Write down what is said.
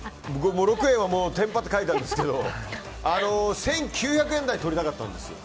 ６円はテンパって書いたんですけど１９００円台とりたかったんです。